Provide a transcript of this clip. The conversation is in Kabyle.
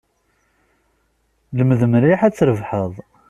Lmed mliḥ ad trebḥeḍ.